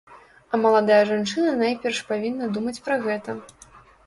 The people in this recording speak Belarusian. А маладая жанчына найперш павінна думаць пра гэта.